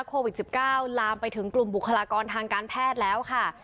โควิด๑๙ลามไปถึงกลุ่มบุคลากรทางการแพทย์แล้วค่ะ